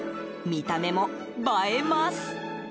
見た目も映えます。